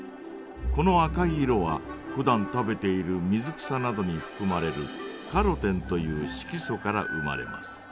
この赤い色はふだん食べている水草などにふくまれるカロテンという色素から生まれます。